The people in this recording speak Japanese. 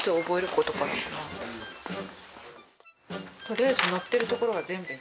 とりあえず載ってるところは全部。